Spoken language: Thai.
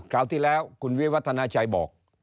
คราวที่แล้วคุณวิวัฒนาชัยบอก